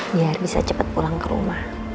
biar bisa cepat pulang ke rumah